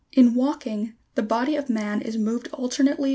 In walking, the body of man is moved alternately by one 85.